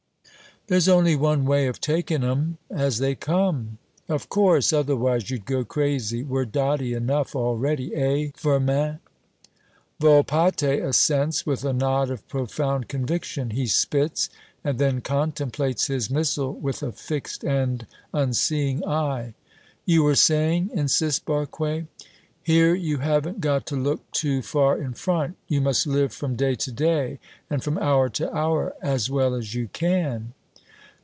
"There's only one way of taking 'em as they come!" "Of course! Otherwise, you'd go crazy. We're dotty enough already, eh, Firmin?" Volpatte assents with a nod of profound conviction. He spits, and then contemplates his missile with a fixed and unseeing eye. "You were saying?" insists Barque. "Here, you haven't got to look too far in front. You must live from day to day and from hour to hour, as well as you can."